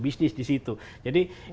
bisnis disitu jadi